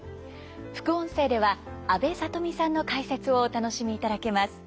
副音声では阿部さとみさんの解説をお楽しみいただけます。